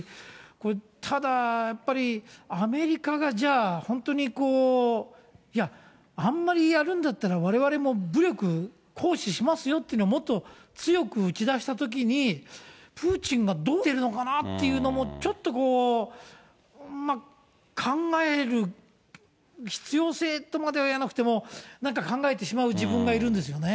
これ、ただやっぱり、アメリカがじゃあ、本当に、いや、あんまりやるんだったらわれわれも武力行使しますよっていうのをもっと強く打ち出したときに、プーチンがどう出るのかなっていうのも、ちょっと考える必要性とまではいわなくても、なんか考えてしまう自分がいるんですよね。